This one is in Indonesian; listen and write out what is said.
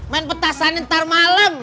main petasan ntar malem